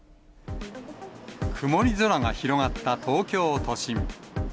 曇り空が広がった東京都心。